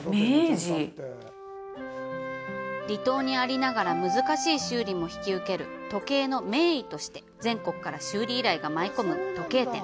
離島にありながら難しい修理も引き受ける「時計の名医」として全国から修理依頼が舞い込む時計店。